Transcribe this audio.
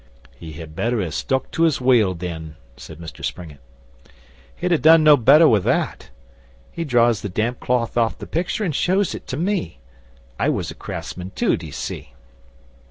'He better ha' stuck to his whale, then,' said Mr Springett. 'He'd ha' done no better with that. He draws the damp cloth off the picture, an' shows it to me. I was a craftsman too, d'ye see?